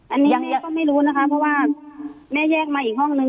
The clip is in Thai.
อันนี้แม่ก็ไม่รู้นะคะเพราะว่าแม่แยกมาอีกห้องนึง